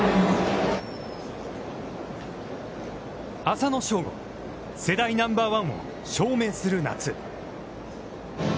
浅野翔吾、世代ナンバーワンを証明する夏。